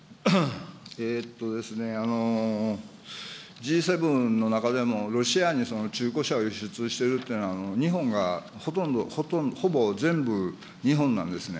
Ｇ７の中でも、ロシアに中古車を輸出してるというのは、日本がほとんど、ほぼ全部、日本なんですね。